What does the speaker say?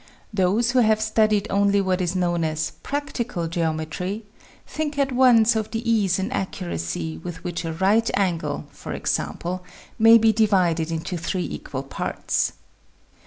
Those who have studied only what is known as "practical geometry" think at once of the ease and accuracy with which a right angle, for example, may be divided into three equal parts.